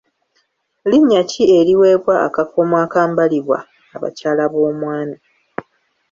Linnya ki eriweebwa akakomo akambalibwa abakyala b'omwami?